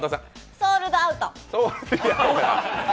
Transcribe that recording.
ソールドアウト？